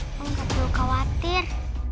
om nggak perlu khawatir